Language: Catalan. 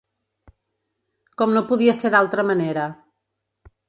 Com no podia ser d’altra manera.